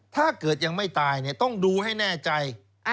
ถ้าเกิดยังไม่ตายต้องดูให้แน่ใจ